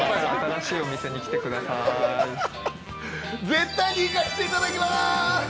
絶対に行かせていただきます！